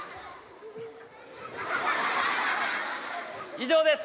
以上です。